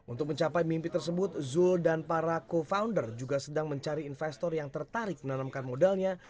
untuk mencapai mimpi tersebut zul dan para co founder juga sedang mencari investor yang tertarik menanamkan modalnya